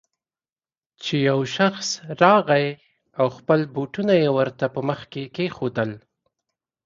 چې يو شخص راغی او خپل بوټونه يې ورته په مخ کې کېښودل.